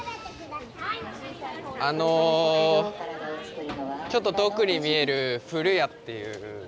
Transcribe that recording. あのちょっと遠くに見えるフルヤっていう。